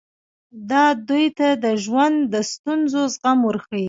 دا دوی ته د ژوند د ستونزو زغم ورښيي.